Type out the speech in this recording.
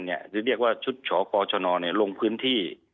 หรือเรียกว่าชุดชกชนลงพื้นที่